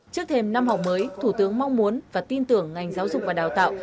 trước thêm năm học mới thủ tướng mong muốn và tin tưởng ngành giáo dục và đào tạo